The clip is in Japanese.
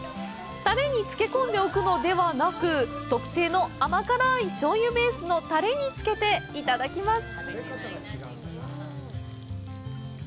タレに漬け込んでおくのではなく特製の甘辛い醤油ベースのタレにつけていただきます！